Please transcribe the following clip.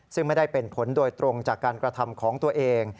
ซึ่งไม่ได้เป็นผลโดยตรงจากการกระทำของตัวเอง